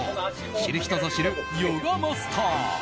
知る人ぞ知るヨガマスター。